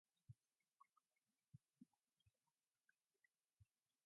Cold Case: The Yogurt Shop Murders.